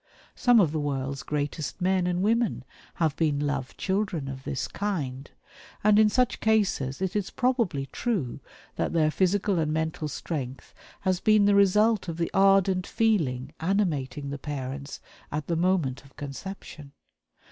Some of the world's greatest men and women have been "love children" of this kind; and in such cases it is probably true that their physical and mental strength has been the result of the ardent feeling animating the parents at the moment of conception.